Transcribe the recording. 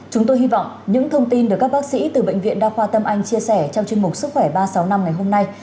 chúng tôi hy vọng những thông tin được các bác sĩ từ bệnh viện đa khoa tâm anh chia sẻ trong chương mục sức khỏe ba trăm sáu mươi năm ngày hôm nay